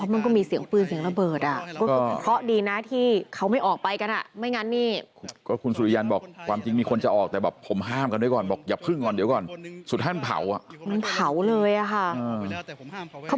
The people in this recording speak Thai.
เรียนสภาและอะไรทางเราจะช่วยอยู่แล้วนะคะ